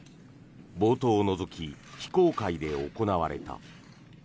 冒頭を除き、非公開で行われた。